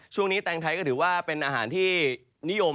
แตงไทยก็ถือว่าเป็นอาหารที่นิยม